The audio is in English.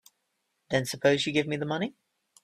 Then suppose you give me the money.